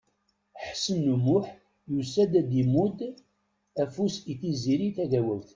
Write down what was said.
Ḥsen U Muḥ yusa-d ad imudd afus i Tiziri Tagawawt.